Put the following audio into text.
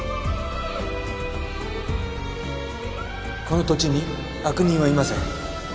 この土地に悪人はいません